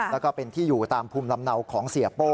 แล้วก็เป็นที่อยู่ตามภูมิลำเนาของเสียโป้